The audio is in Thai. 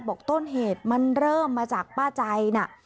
ต้นเหตุมันเริ่มมาจากป้าใจน่ะ